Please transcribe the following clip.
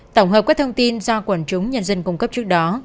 tổng hợp các thông tin do quần chúng nhân dân cung cấp trước đó